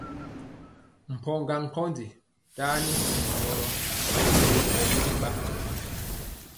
Mpɔga nkondi taniŋeworo ri mbu ɓɛmili ba.